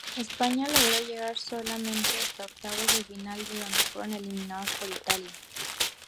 España logró llegar solamente hasta octavos de final, en donde fueron eliminados por Italia.